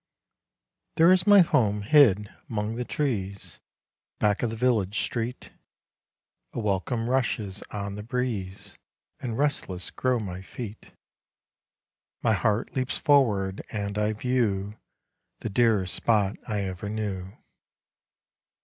There is my home hid 'mong the trees Back of the village street, A welcome rushes on the breeze, And restless grow my feet; My heart leaps forward, and I view The dearest spot I ever knew.